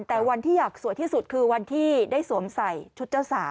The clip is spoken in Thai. แต่วันที่อยากสวยที่สุดคือวันที่ได้สวมใส่ชุดเจ้าสาว